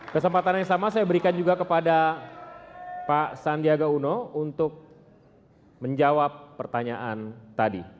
kesempatan yang sama saya berikan juga kepada pak sandiaga uno untuk menjawab pertanyaan tadi